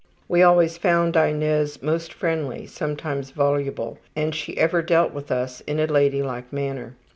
We always found Inez most friendly, sometimes voluble, and she ever dealt with us in a lady like manner.